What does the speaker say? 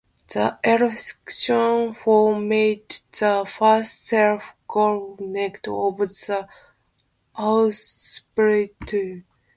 This election formed the first self-government of the Australian Capital Territory.